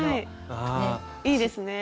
いいですね。